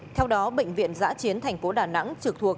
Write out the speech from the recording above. theo đó bệnh viện giã chiến tp đà nẵng trực thuộc